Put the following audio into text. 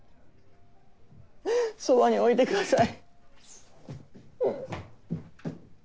そばに置いてください！